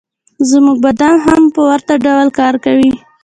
زموږ بدن هم په ورته ډول کار کوي